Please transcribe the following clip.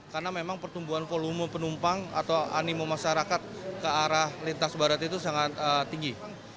karena memang pertumbuhan volume penumpang atau animo masyarakat ke arah lintas barat itu sangat tinggi